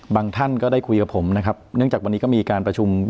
ท่านก็ได้คุยกับผมนะครับเนื่องจากวันนี้ก็มีการประชุม